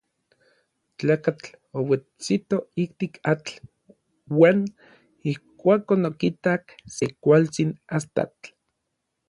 Tlakatl ouetsito ijtik atl uan ijkuakon okitak se kualtsin astatl.